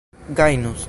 gajnus